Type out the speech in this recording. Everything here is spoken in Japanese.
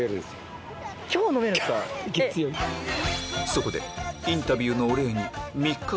そこでインタビューのお礼にあぁ。